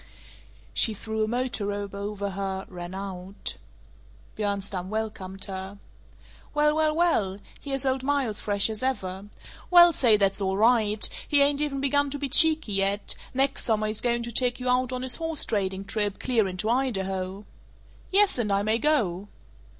She threw a motor robe over her, ran out. Bjornstam welcomed her, "Well, well, well! Here's old Miles, fresh as ever. Well say, that's all right; he ain't even begun to be cheeky yet; next summer he's going to take you out on his horse trading trip, clear into Idaho." "Yes, and I may go!"